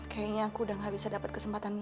kayaknya aku udah gak bisa dapat kesempatan